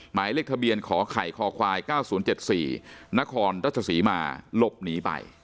หมายเลขทะเบียนขอไข่คควาย๙๐๗๔นครรัชศรีมาหลบหนีไป